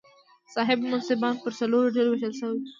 صاحب منصبان پر څلورو ډلو وېشل شوي وو.